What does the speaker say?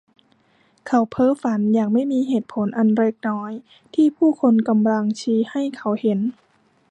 เขาเพ้อฝันอย่างไม่มีเหตุผลอันเล็กน้อยที่ผู้คนกำลังชี้ให้เขาเห็น